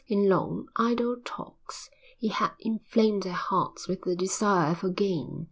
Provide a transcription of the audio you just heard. In long, idle talks he had inflamed their hearts with the desire for gain.